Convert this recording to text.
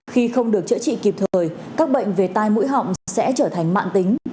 khi không được chữa trị kịp thời các bệnh về tai mũi họng sẽ trở thành mạng tính